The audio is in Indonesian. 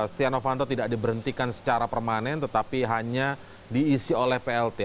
setia novanto tidak diberhentikan secara permanen tetapi hanya diisi oleh plt